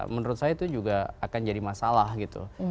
menurut saya itu juga akan jadi masalah gitu